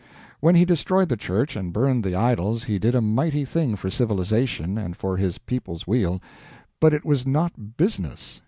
When he destroyed the Church and burned the idols he did a mighty thing for civilization and for his people's weal but it was not "business."